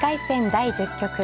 第１０局。